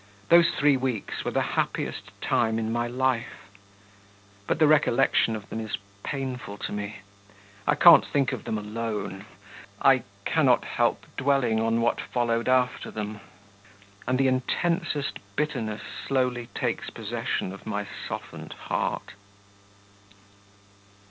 Those three weeks were the happiest time in my life; but the recollection of them is painful to me. I can't think of them alone; I cannot help dwelling on what followed after them, and the intensest bitterness slowly takes possession of my softened heart.